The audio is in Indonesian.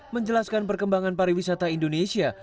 menjelaskan perkembangan pariwisata indonesia